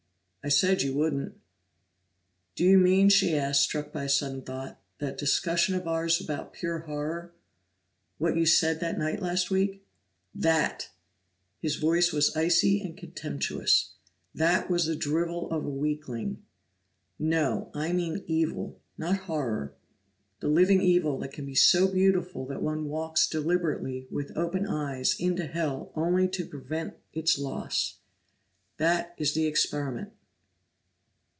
"I said you wouldn't." "Do you mean," she asked, struck by a sudden thought, "that discussion of ours about pure horror? What you said that night last week?" "That!" His voice was icy and contemptuous. "That was the drivel of a weakling. No; I mean evil, not horror the living evil that can be so beautiful that one walks deliberately, with open eyes, into Hell only to prevent its loss. That is the experiment."